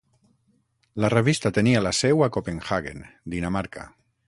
La revista tenia la seu a Copenhaguen, Dinamarca.